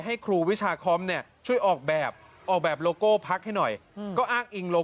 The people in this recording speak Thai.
เป็นครูที่รับผิดชอบกิจกรรมทราบหน้ากเรียนครับ